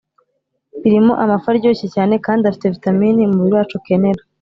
birimo amafi aryoshye cyane kandi afite vitamini umubiri wacu ukenera